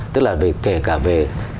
tức là kể cả về